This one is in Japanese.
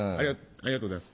ありがとうございます。